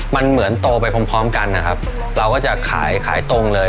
มันเหมือนโตไปพร้อมพร้อมกันนะครับเราก็จะขายขายตรงเลย